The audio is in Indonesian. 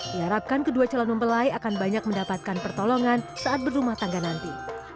diharapkan kedua calon mempelai akan banyak mendapatkan pertolongan saat berumah tangga nanti